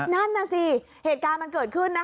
นั่นน่ะสิเหตุการณ์มันเกิดขึ้นนะคะ